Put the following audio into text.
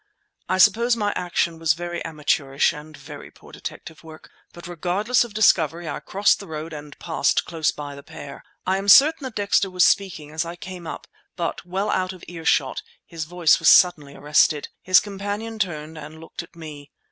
I suppose my action was very amateurish and very poor detective work; but regardless of discovery I crossed the road and passed close by the pair. I am certain that Dexter was speaking as I came up, but, well out of earshot, his voice was suddenly arrested. His companion turned and looked at me.